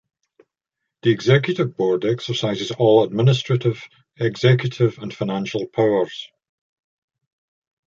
The Executive Board exercises all administrative, executive and financial powers.